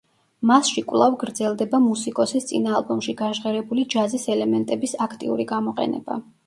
მასში კვლავ გრძელდება მუსიკოსის წინა ალბომში გაჟღერებული ჯაზის ელემენტების აქტიური გამოყენება.